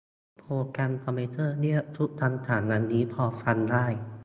โปรแกรมคอมพิวเตอร์ เรียกชุดคำสั่ง อันนี้พอฟังได้